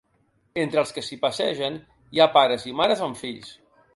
Entre els qui s’hi passegen hi ha pares i mares amb fills.